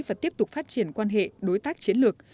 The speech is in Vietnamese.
và tiếp tục phát triển quan hệ đối tác chiến lược